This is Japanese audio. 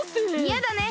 やだね！